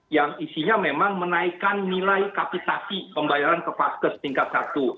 yang isinya memang menaikkan nilai kapitasi pembayaran ke paskes tingkat satu